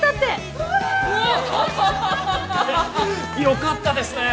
よかったですね！